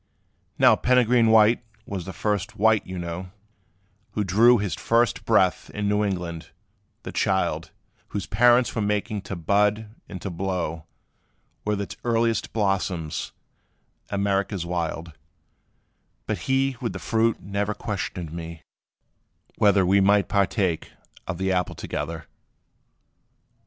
Now Peregrine White was the first white, you know, Who drew his first breath in New England the child, Whose parents were making to bud and to blow, With its earliest blossoms, America's wild: But he with the fruit never questioned me, whether We might partake of the apple together.